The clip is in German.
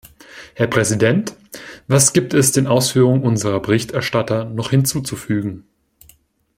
Herr Präsident! Was gibt es den Ausführungen unserer Berichterstatter noch hinzuzufügen?